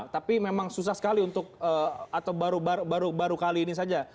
tapi memang susah sekali untuk atau baru baru kali ini saja